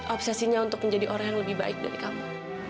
obsesinya untuk menjadi orang yang lebih baik dari kamu